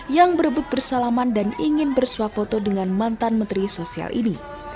yang berebut bersalaman dan ingin bersuah foto dengan mantan menteri sosial ini